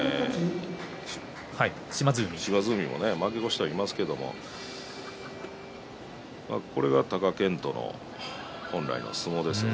島津海も負け越してはいますけれどもこれが貴健斗の本来の相撲ですね